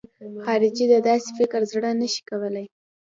خارجي د داسې فکر زړه نه شي کولای.